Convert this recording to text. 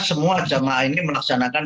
semua jamaah ini melaksanakan